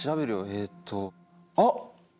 えっとあっ！